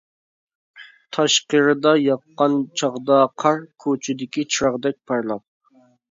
تاشقىرىدا ياغقان چاغدا قار، كوچىدىكى چىراغدەك پارلاپ.